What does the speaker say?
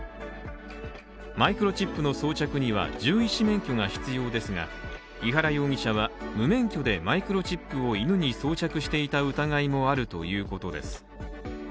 マイクロチップの装着には獣医師免許が必要ですが、井原容疑者は無免許でマイクロチップを犬に装着していた疑いもあるということです